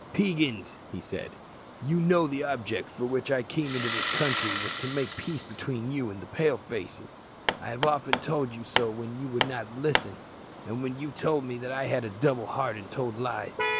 "Peigans," he said, "you know the object for which I came into this country was to make peace between you and the Pale faces. I have often told you so when you would not listen, and when you told me that I had a double heart and told lies.